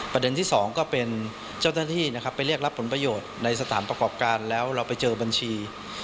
ประเด็นที่สองก็เป็นเจ้าหน้าที่นะครับไปเรียกรับผลประโยชน์ในสถานประกอบการแล้วเราไปเจอบัญชี